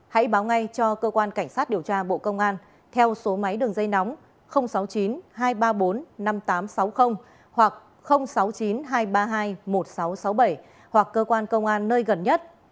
hãy báo ngay cho cơ quan cảnh sát điều tra bộ công an theo số máy đường dây nóng sáu mươi chín hai trăm ba mươi bốn năm nghìn tám trăm sáu mươi hoặc sáu mươi chín hai trăm ba mươi hai một nghìn sáu trăm sáu mươi bảy hoặc cơ quan công an nơi gần nhất